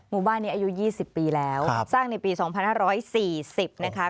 หมู่บ้านนี้อายุ๒๐ปีแล้วสร้างในปี๒๕๔๐นะคะ